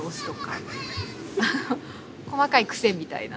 細かい癖みたいな。